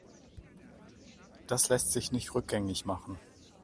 Das lässt sich nicht rückgängig machen.